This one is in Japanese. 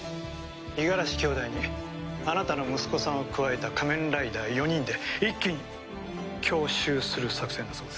五十嵐兄妹にあなたの息子さんを加えた仮面ライダー４人で一気に強襲する作戦だそうです。